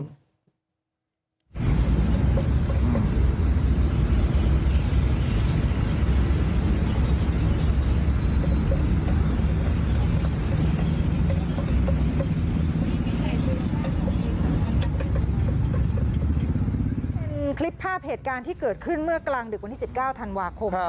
เป็นคลิปภาพเหตุการณ์ที่เกิดขึ้นเมื่อกลางดึกวันที่๑๙ธันวาคม